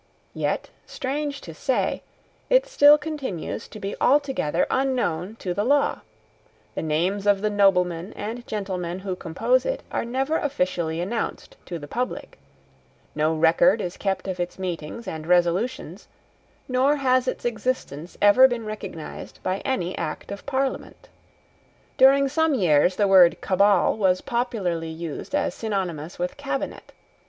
Yet, strange to say, it still continues to be altogether unknown to the law: the names of the noblemen and gentlemen who compose it are never officially announced to the public: no record is kept of its meetings and resolutions; nor has its existence ever been recognised by any Act of Parliament. During some years the word Cabal was popularly used as synonymous with Cabinet.